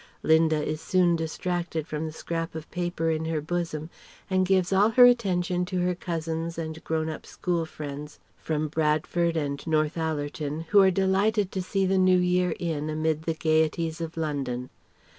Linda is soon distracted from the scrap of paper in her bosom and gives all her attention to her cousins and grown up school friends from Bradford and Northallerton who are delighted to see the New Year in amid the gaieties of London.